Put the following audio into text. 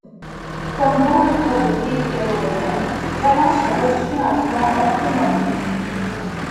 Comme bon nombre de villes gallo-romaines, Valence reçut un plan orthonormé.